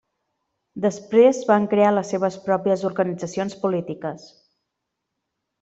Després van crear les seves pròpies organitzacions polítiques.